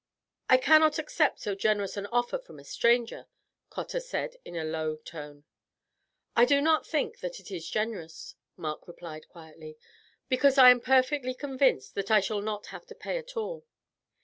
"I cannot accept so generous an offer from a stranger," Cotter said in a low tone. "I do not think that it is generous," Mark replied quietly, "because I am perfectly convinced that I shall not have to pay at all.